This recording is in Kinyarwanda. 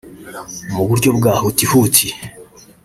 mu buryo bwa hutihuti